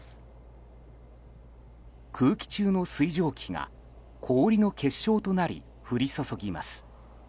空気中の水蒸気が氷の結晶となり降り注ぎます。